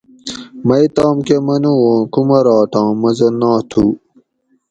مئ توم کہ منُو اُوں کُمراٹاں مزہ ناتھُو